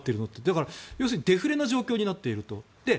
だから、要するにデフレの状況になっていると。